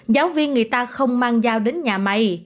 giáo viên người ta không mang dao đến nhà máy